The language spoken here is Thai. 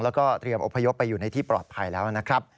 แล้วก็เตรียมอพยพไปอยู่ในที่ปลอดภัยแล้วนะครับ